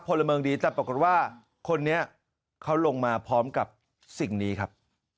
พลเมืองดีแต่ปรากฏว่าคนนี้เขาลงมาพร้อมกับสิ่งนี้ครับ